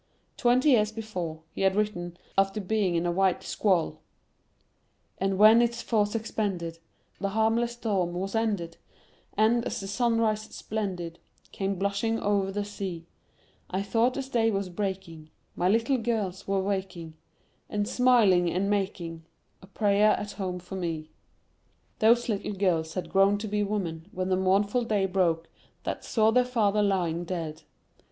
Twenty years before, he had written, after being in a white squall: And when, its force expended, The harmless storm was ended, And, as the sunrise splendid Came blushing o'er the sea; I thought, as day was breaking, My little girls were waking, And smiling, and making A prayer at home for me. Those little girls had grown to be women when the mournful day broke that saw their father lying dead.